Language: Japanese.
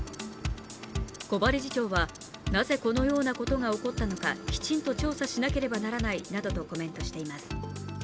木場理事長はなぜこのようなことが起こったのかきちんと調査しなければならないなどとコメントしています。